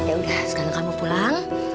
ya udah sekarang kamu pulang